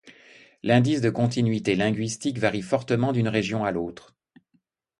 L'indice de continuité linguistique, varie fortement d'une région à l'autre.